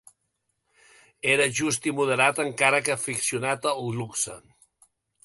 Era just i moderat encara que aficionat al luxe.